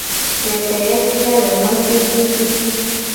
Yekeyeke a le hoe fiofiofio.